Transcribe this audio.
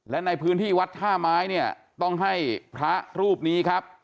และในพื้นที่วัดท่าไม้เนี่ยต้องให้พระรูปนี้ครับ